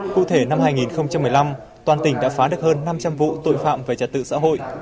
cụ thể năm hai nghìn một mươi năm toàn tỉnh đã phá được hơn năm trăm linh vụ tội phạm về trật tự xã hội